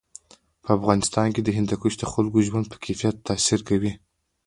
په افغانستان کې هندوکش د خلکو د ژوند په کیفیت تاثیر کوي.